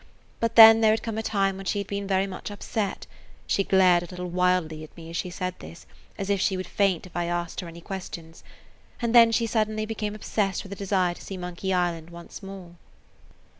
But then there had come a time when she had been very much upset,–she glared a little wildly at me as she said this, as if she would faint if I asked her any questions,–and then she had suddenly become obsessed with a desire to see Monkey Island once more.